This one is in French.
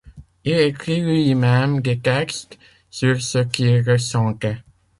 Il écrit lui-même des textes sur ce qu’il ressentait.